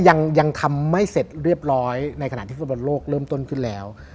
ยังทำไม่เสร็จเรียบร้อยในขณะที่ฟุตบอลโลกเริ่มต้นขึ้นแล้ว